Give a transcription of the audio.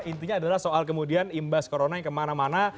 intinya adalah soal kemudian imbas corona yang kemana mana